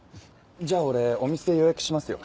じゃあ俺お店予約しますよ。